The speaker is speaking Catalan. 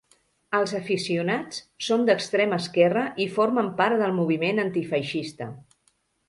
Els aficionats són d'extrema esquerra i formen part del moviment antifeixista.